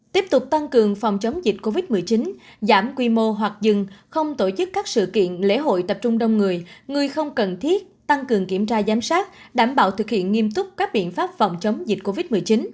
tiếp tục tăng cường phòng chống dịch covid một mươi chín giảm quy mô hoặc dừng không tổ chức các sự kiện lễ hội tập trung đông người người không cần thiết tăng cường kiểm tra giám sát đảm bảo thực hiện nghiêm túc các biện pháp phòng chống dịch covid một mươi chín